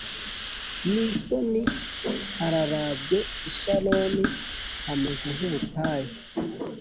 n isoni hararabye i Sharoni hameze nk ubutayu